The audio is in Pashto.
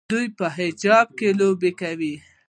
دوی په حجاب کې لوبې کوي.